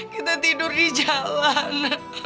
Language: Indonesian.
kita tidur di jalan